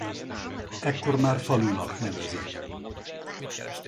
Ekkor már falunak nevezik.